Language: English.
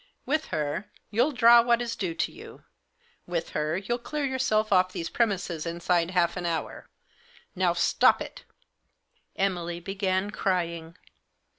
With her, you'll draw what is due to you ; with her, you'll clear yourself off these premises inside half an hour. Now, stop it 1 " Emily began crying.